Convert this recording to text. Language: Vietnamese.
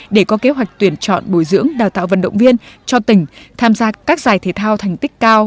để có kế hoạch tuyển chọn bồi dưỡng đào tạo vận động viên cho tỉnh tham gia các giải thể thao thành tích cao